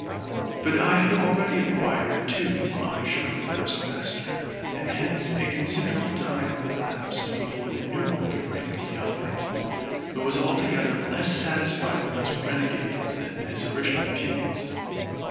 But I had already acquired too much from the first master ; and hence a considerable time elapsed before the new one could break me of it, who Was altogether less satisfied with us renegades than with his original pupils.